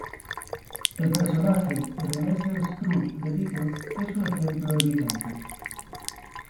El personaje Ebenezer Scrooge de Dickens es un ejemplo evidente.